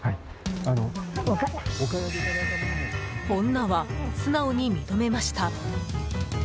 女は素直に認めました。